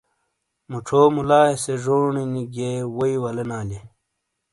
مُچھو مُلائیے سے جونی گیئے ووئی ولینا لیئے۔